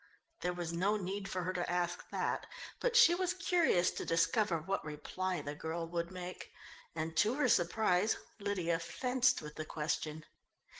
There was no need for her to ask that, but she was curious to discover what reply the girl would make, and to her surprise Lydia fenced with the question.